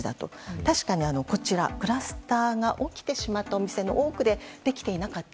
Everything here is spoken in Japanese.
確かにクラスターが起きてしまったお店の多くで、できていなかった。